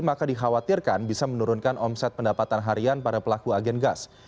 maka dikhawatirkan bisa menurunkan omset pendapatan harian para pelaku agen gas